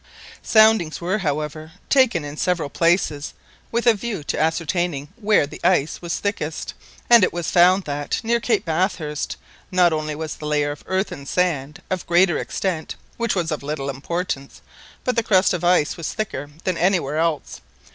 Soundings were, however, taken, in several places with a view to ascertaining where the ice was thickest, and it was found that, near Cape Bathurst, not only was the layer of earth and sand of greater extent—which was of little importance—but the crust of ice was thicker than anywhere else.